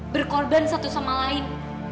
berkorban satu sama lain